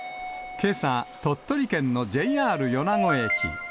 けさ、鳥取県のＪＲ米子駅。